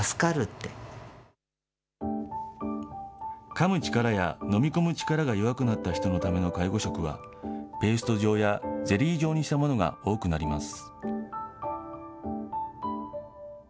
かむ力や、飲み込む力が弱くなった人のための介護食は、ペースト状やゼリー状にしたものが多くなります。